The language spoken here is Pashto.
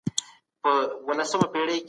بهرنۍ تګلاره یوازې د جګړې لپاره نه کارول کيږي.